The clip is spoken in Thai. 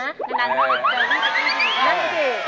ในนั้นเจอกันจริงค่ะ